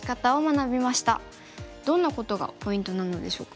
どんなことがポイントなのでしょうか。